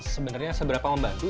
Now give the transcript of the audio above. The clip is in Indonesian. sebenarnya seberapa membantu